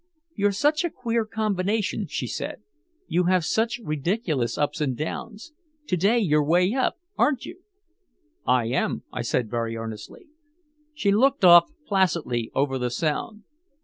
"You're such a queer combination," she said. "You have such ridiculous ups and downs. To day you're way up, aren't you." "I am," I said very earnestly. She looked off placidly over the Sound.